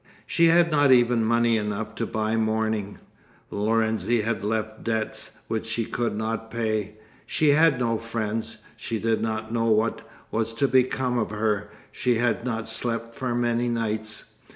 She had not even money enough to buy mourning. Lorenzi had left debts which she could not pay. She had no friends. She did not know what was to become of her. She had not slept for many nights.